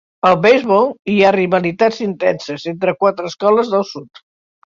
Al beisbol, hi ha rivalitats intenses entre quatre escoles del sud.